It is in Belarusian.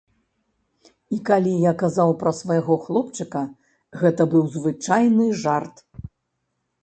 І калі я казаў пра свайго хлопчыка, гэта быў звычайны жарт.